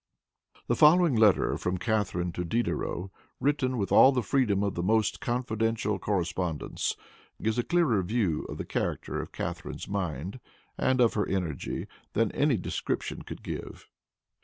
The following letter from Catharine to Diderot, written with all the freedom of the most confidential correspondence, gives a clearer view of the character of Catharine's mind, and of her energy, than any description could give.